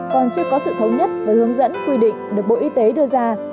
còn chưa có sự thống nhất và hướng dẫn quy định được bộ y tế đưa ra